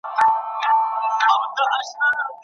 ژبه مي د حق په نامه ګرځي بله نه مني